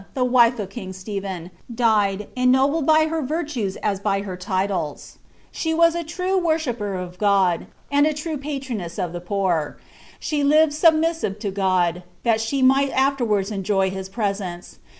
the wife of king Stephen, (tied,«i> Dobled by her virtues as by her lilies. She wub a true wnnhipjier of Uod, and a real patroness of the poor. She lived subniiasive lu God. thai she might afterwards enjoy his presence.